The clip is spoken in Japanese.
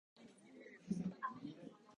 そのニュースはもう見ましたよ。